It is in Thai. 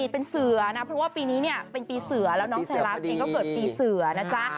เป็นเสือนะเพราะว่าปีนี้เนี่ยเป็นปีเสือแล้วน้องชายัสเองก็เกิดปีเสือนะจ๊ะ